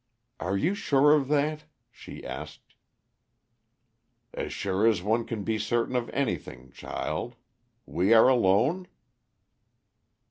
"Are you sure of that?" she asked. "As sure as one can be certain of anything, child. We are alone?"